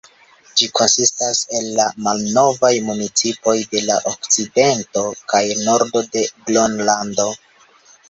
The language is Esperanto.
Ĝi konsistas el la malnovaj municipoj de la okcidento kaj nordo de Gronlando.